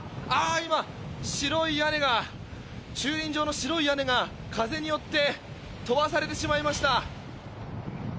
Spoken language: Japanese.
今、白い屋根が駐輪場の白い屋根が風によって飛ばされてしまいました。